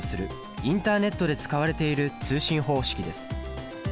インターネットで使われている通信方式です。